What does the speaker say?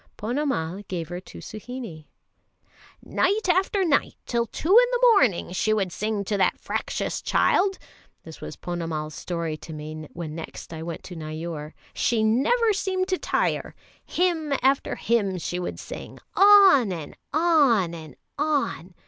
Ponnamal gave her to Suhinie. "Night after night till two in the morning she would sing to that fractious child" this was Ponnamal's story to me when next I went to Neyoor. "She never seemed to tire; hymn after hymn she would sing, on and on and on.